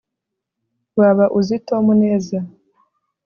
waba uzi tom neza